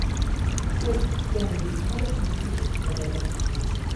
ქერცლფრთიანების მატლს მუხლუხოს უწოდებენ.